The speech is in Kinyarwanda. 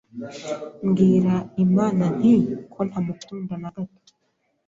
mbwira Imana nti ko ntamukunda na gato,